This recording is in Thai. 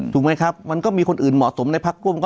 ถูกไหมครับมันก็มีคนอื่นเหมาะสมในพักร่วมก็